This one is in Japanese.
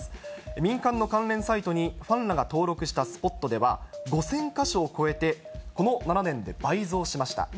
民間の関連サイトにファンらが登録したスポットでは、５０００か所を超えて、この７年で倍増しました。